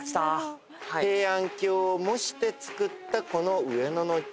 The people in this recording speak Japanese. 平安京を模して造ったこの上野の地。